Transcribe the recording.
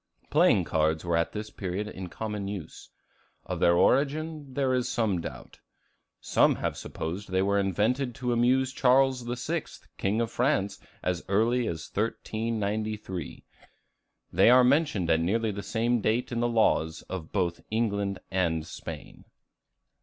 Playing cards were at this period in common use. Of their origin, there is some doubt. Some have supposed they were invented to amuse Charles VI., King of France, as early as 1393. They are mentioned at nearly the same date in the laws of both England and Spain.